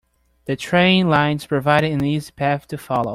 The train lines provided an easy path to follow.